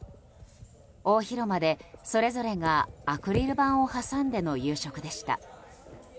大広間でそれぞれがアクリル板を挟んでの夕食でした。